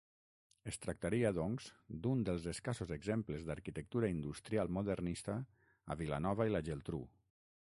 Es tractaria, doncs, d'un dels escassos exemples d'arquitectura industrial modernista a Vilanova i la Geltrú.